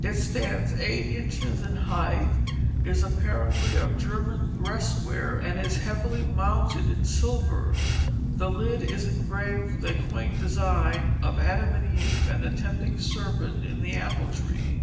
It stands eight inches in height, is apparently of German Gresware, and is heavily mounted in silver. The lid is engraved with a quaint design of Adam and Eve and the tempting serpent in the apple tree.